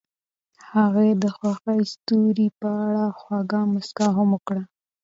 هغې د خوښ ستوري په اړه خوږه موسکا هم وکړه.